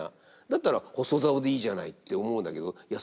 だったら細棹でいいじゃないって思うんだけどいや